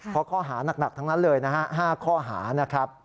เพราะข้อหานักทั้งนั้นเลยนะฮะ๕ข้อหานะครับ